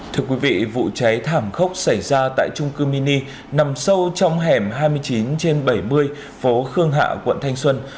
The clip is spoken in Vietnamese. thưa quý vị vụ cháy thảm khốc xảy ra tại trung cư mini nằm sâu trong hẻm hai mươi chín trên bảy mươi phố khương hạ quận thanh xuân